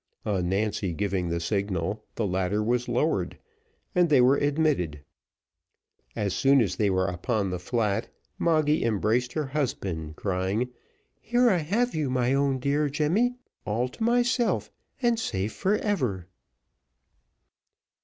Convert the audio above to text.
On Nancy giving the signal, the ladder was lowered, and they were admitted. As soon as they were upon the flat, Moggy embraced her husband, crying, "Here I have you, my own dear Jemmy, all to myself, and safe for ever."